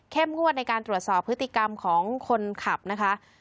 งวดในการตรวจสอบพฤติกรรมของคนขับนะคะ